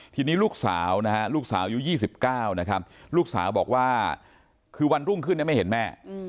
ทีนี้ลูกสาวอยู่๒๙นะครับลูกสาวบอกว่าคือวันรุ่งขึ้นยังไม่เห็นแม่